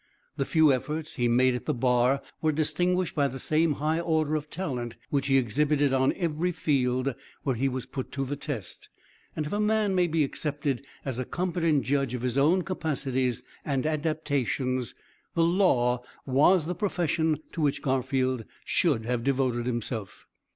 The few efforts he made at the bar were distinguished by the same high order of talent which he exhibited on every field where he was put to the test; and, if a man may be accepted as a competent judge of his own capacities and adaptations, the law was the profession to which Garfield should have devoted himself.